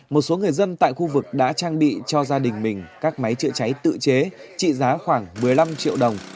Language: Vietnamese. một số người dân tại khu vực đã trang bị cho gia đình mình các máy chữa cháy tự chế trị giá khoảng một mươi năm triệu đồng